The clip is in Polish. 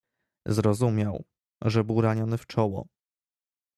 "Zrozumiał, że był raniony w czoło."